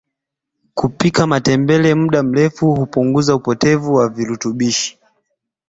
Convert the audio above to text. kupika matembele mda mrefu hupunguza upotevu wa virutubishi